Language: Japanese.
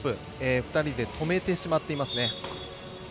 ２人で止めてしまっていますね。